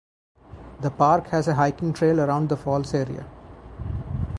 The park has a hiking trail around the falls area.